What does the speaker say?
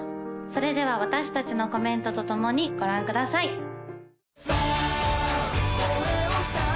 それでは私達のコメントとともにご覧くださいさあ